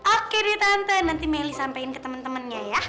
oke deh tante nanti meli sampein ke temen temennya ya